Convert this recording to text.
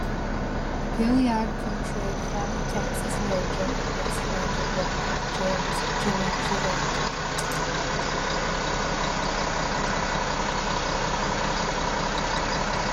Gilyard portrayed fellow Texas Ranger and best friend of Walker, James "Jimmy" Trivette.